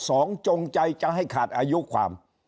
จงใจจะให้ขาดอายุความ